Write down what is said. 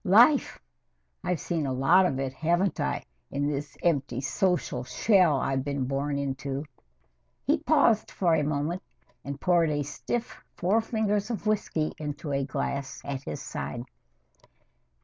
Life! I've seen a lot of it haven't I, in this empty social shell I've been born into!" He paused for a moment and poured a stiff four fingers of whisky into a glass at his side.